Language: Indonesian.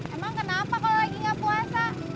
emang kenapa kalau lagi nggak puasa